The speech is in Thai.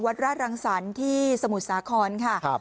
วัดราชรังศรที่สมุทรสาคอนค่ะ